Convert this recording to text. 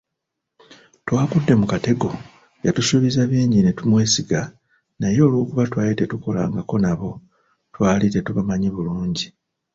Twagudde mu katego, yatusuubiza bingi ne tumwesiga, naye olw'okuba twali tetukolangako nabo, twali tetubamanyi bulungi.